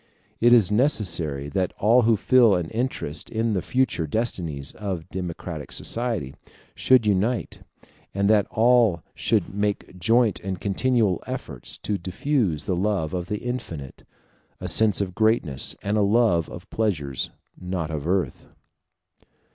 It is necessary that all who feel an interest in the future destinies of democratic society should unite, and that all should make joint and continual efforts to diffuse the love of the infinite, a sense of greatness, and a love of pleasures not of earth.